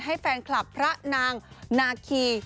ให้แฟนคลับพระนางนาคี